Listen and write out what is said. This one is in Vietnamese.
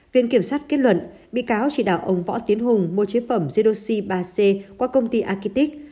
viện kiểm sát kết luận bị cáo chỉ đạo ông võ tiến hùng mua chế phẩm zedoxi ba c qua công ty aqitic